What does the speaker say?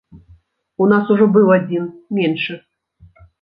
У нас ужо быў адзін, меншы.